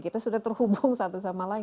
kita sudah terhubung satu sama lain